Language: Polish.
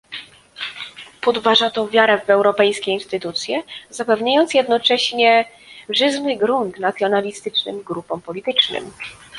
Podważa to wiarę w europejskie instytucje, zapewniając jednocześnie żyzny grunt nacjonalistycznym grupom politycznym